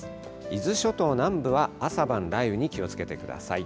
伊豆諸島南部は朝晩雷雨に気をつけてください。